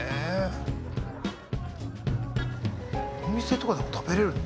お店とかでも食べれるんだ。